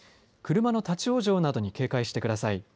車の立往生などに警戒してください。